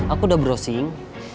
aku udah browsing